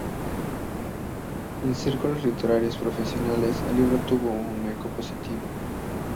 En círculos literarios profesionales, el libro tuvo un eco positivo.